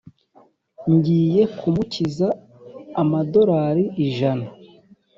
ngiye kumukiza amadorari ijana